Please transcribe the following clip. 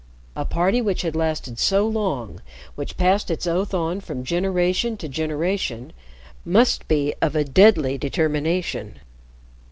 A party which had lasted so long which passed its oath on from generation to generation must be of a deadly determination.